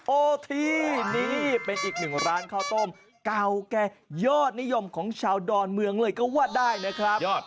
โอเคนี่เป็นอีกหนึ่งร้านข้าวต้มเก่าแก่ยอดนิยมของชาวดอนเมืองเลยก็ว่าได้นะครับ